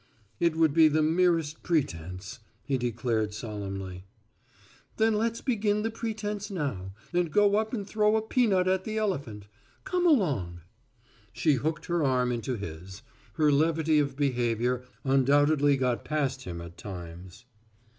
"It would be the merest pretense," he declared solemnly. "Then let's begin the pretense now, and go up and throw a peanut at the elephant. Come along." She hooked her arm into his. Her levity of behavior undoubtedly got past him at times.